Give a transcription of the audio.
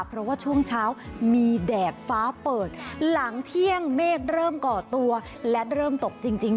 เพราะว่าช่วงเช้ามีแดดฟ้าเปิดหลังเที่ยงเมฆเริ่มก่อตัวและเริ่มตกจริง